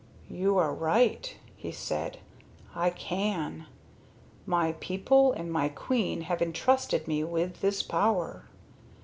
"You are right," he said. "I can. My people and my queen have entrusted me with this power.